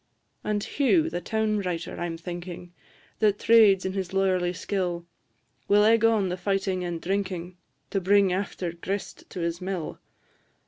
And Hugh, the town writer, I 'm thinking, That trades in his lawyerly skill, Will egg on the fighting and drinking, To bring after grist to his mill.